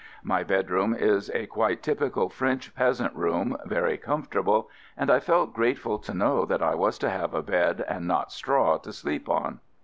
My bedroom is a quite typical French peasant room, very comfortable, and I felt grate ful to know that I was to have a bed and not straw to sleep on.